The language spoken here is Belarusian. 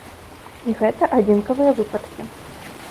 І гэта адзінкавыя выпадкі.